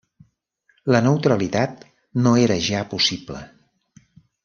La neutralitat no era ja possible.